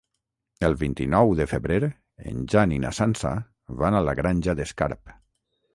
El vint-i-nou de febrer en Jan i na Sança van a la Granja d'Escarp.